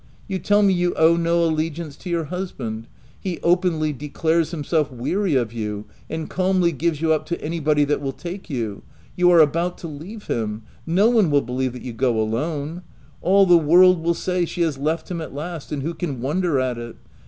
" You tell me you owe no allegiance to your husband; he openly declares himself weary of you, and calmly gives you up to any body that will take you ; you are about to leave him ; no one will believe that you go alone — all the world will say, ' She has left him at last, and who can w r onder at it?